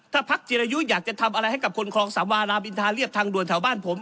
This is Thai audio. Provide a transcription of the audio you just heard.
ถ้าพักจิรายุอยากจะทำอะไรให้กับคนคลองสามวารามอินทาเรียบทางด่วนแถวบ้านผม